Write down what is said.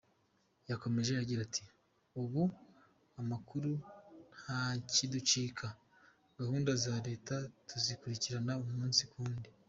Yakomeje agira ati "Ubu amakuru ntakiducika, gahunda za Leta tuzikurikirana umunsi ku wundi.